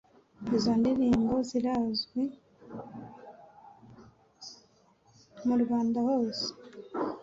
Izo ndirimbo zirazwi mu Rwanda hose.